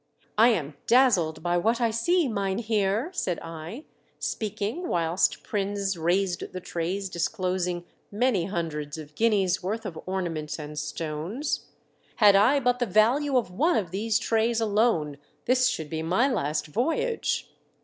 " I am dazzled by what I see, ^mynheer," 184 THE DEATH SHIP. said I, speaking whilst Prins raised the trays disclosing many hundreds of guineas' worth Ox'" ornaments and stones. " Had I but the value of one of these trays alone this should be my last voyage."